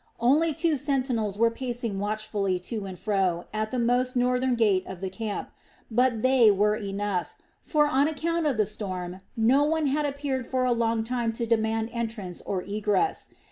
Only two sentinels were pacing watchfully to and fro at the most northern gate of the camp, but they were enough; for, on account of the storm, no one had appeared for a long time to demand entrance or egress.